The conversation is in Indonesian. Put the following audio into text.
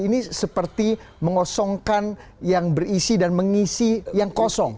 ini seperti mengosongkan yang berisi dan mengisi yang kosong